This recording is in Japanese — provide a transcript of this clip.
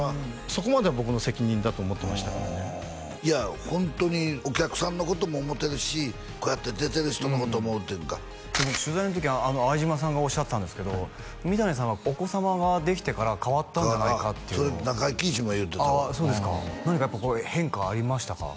そこまでは僕の責任だと思ってましたからねいやホントにお客さんのことも思うてるしこうやって出てる人のこともっていうか取材の時に相島さんがおっしゃってたんですけど三谷さんはお子様ができてから変わったんじゃないかってそれ中井貴一も言うてたああそうですか何かやっぱりこう変化ありましたか？